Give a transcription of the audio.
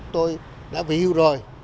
tôi đã bị hiểu rồi